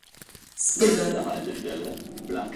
Spyga.